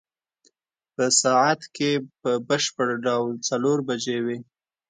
په ساعت کې په بشپړ ډول څلور بجې وې.